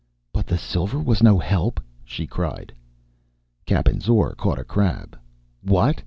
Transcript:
"But the silver was no help!" she cried. Cappen's oar caught a crab. "What?"